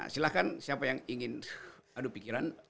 silahkan siapa yang ingin adu pikiran